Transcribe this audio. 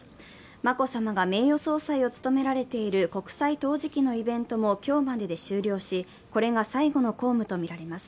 眞子さまが名誉総裁を務められている国際陶磁器のイベントも今日までで終了し、これが最後の公務とみられます。